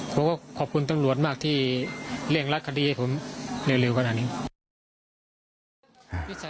ผมก็ขอบคุณตังหลวนมากที่เรียงรัดคดีให้ผมเร็วกว่านี้